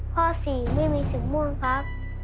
เพราะสีไม่มีสีม่วงครับ